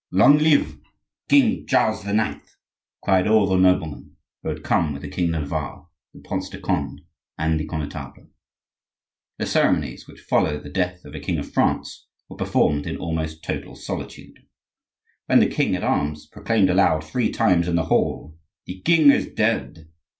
"Long live King Charles IX.!" cried all the noblemen who had come with the king of Navarre, the Prince de Conde, and the Connetable. The ceremonies which follow the death of a king of France were performed in almost total solitude. When the king at arms proclaimed aloud three times in the hall, "The king is dead!"